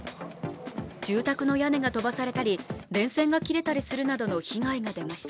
住宅の屋根が飛ばされたり、電線が切れたりするなどの被害が出ました。